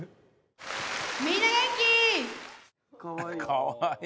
かわいい。